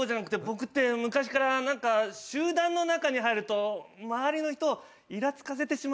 僕って昔から何か集団の中に入ると周りの人をいらつかせてしまうところがありまして。